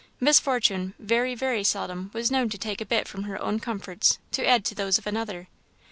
Miss Fortune very, very seldom was known to take a bit from her own comforts to add to those of another.